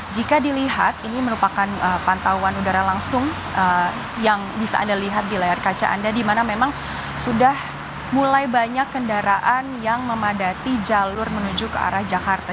jika dilihat ini merupakan pantauan udara langsung yang bisa anda lihat di layar kaca anda di mana memang sudah mulai banyak kendaraan yang memadati jalur menuju ke arah jakarta